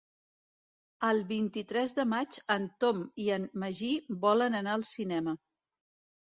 El vint-i-tres de maig en Tom i en Magí volen anar al cinema.